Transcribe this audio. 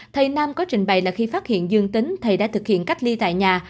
thầy nam có trình bày là khi phát hiện dương tính thầy đã thực hiện cách ly tại nhà